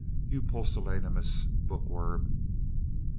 You pusillanimous bookworm!"